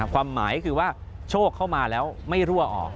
ความหมายคือว่าโชคเข้ามาแล้วไม่รั่วออก